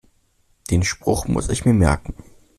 Den Spruch muss ich mir merken.